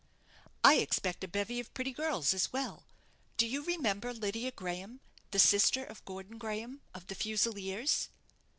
"I expect a bevy of pretty girls as well. Do you remember Lydia Graham, the sister of Gordon Graham, of the Fusiliers?"